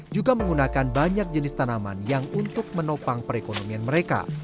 juga menggunakan banyak jenis tanaman yang untuk menopang perekonomian mereka